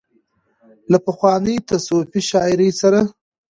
له پخوانۍ تصوفي شاعرۍ سره